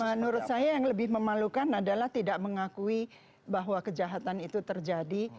menurut saya yang lebih memalukan adalah tidak mengakui bahwa kejahatan itu terjadi